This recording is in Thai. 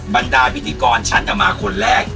บรรดาพิธีกรชั้นอมาคนแรก